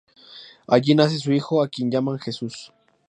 Allí nace su hijo a quien llaman Jesús.